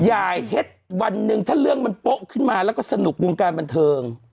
อย่าเฮ็ดวันหนึ่งถ้าเรื่องมันโป๊ะขึ้นมาแล้วก็สนุกวงการบันเทิง